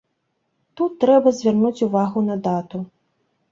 Тут трэба звярнуць увагу на дату.